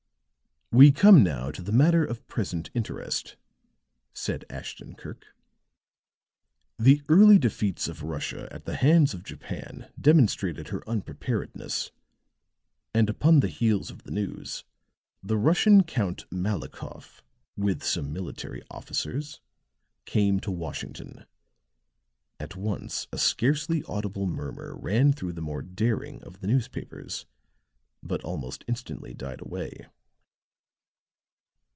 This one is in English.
"We now come to the matter of present interest," said Ashton Kirk. "The early defeats of Russia at the hands of Japan demonstrated her unpreparedness; and upon the heels of the news, the Russian Count Malikoff, with some military officers, came to Washington. At once a scarcely audible murmur ran through the more daring of the newspapers, but almost instantly died away.